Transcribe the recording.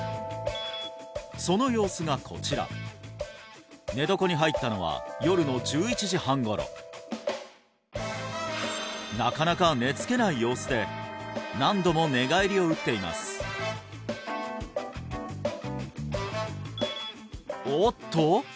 その様子がこちら寝床に入ったのは夜の１１時半頃なかなか寝つけない様子で何度も寝返りを打っていますおっと？